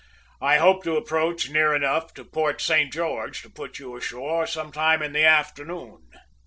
`I hope to approach near enough to Port Saint George to put you ashore some time in the afternoon.'